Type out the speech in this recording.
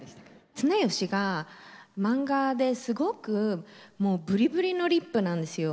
綱吉が漫画ですごくもうぶりぶりのリップなんですよ。